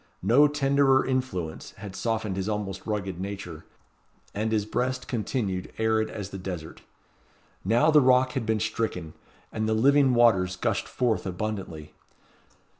No tenderer influence had softened his almost rugged nature; and his breast continued arid as the desert. Now the rock had been stricken, and the living waters gushed forth abundantly.